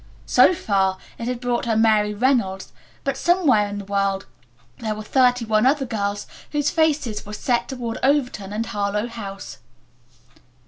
So far it had brought her Mary Reynolds, but somewhere in the world there were thirty one other girls whose faces were set toward Overton and Harlowe House.